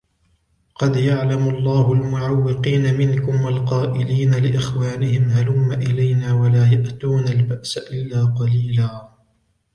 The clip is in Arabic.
قَدْ يَعْلَمُ اللَّهُ الْمُعَوِّقِينَ مِنْكُمْ وَالْقَائِلِينَ لِإِخْوَانِهِمْ هَلُمَّ إِلَيْنَا وَلَا يَأْتُونَ الْبَأْسَ إِلَّا قَلِيلًا